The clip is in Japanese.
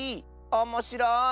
おもしろい！